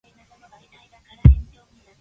For thirteen years Capdevielle was its president.